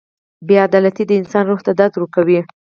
• بې عدالتي د انسان روح ته درد ورکوي.